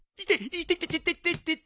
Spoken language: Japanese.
痛ててて。